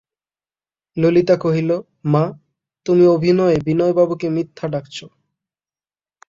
ললিতা কহিল, মা, তুমি অভিনয়ে বিনয়বাবুকে মিথ্যা ডাকছ।